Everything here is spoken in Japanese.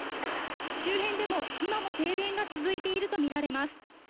周辺でも今も停電が続いていると見られます。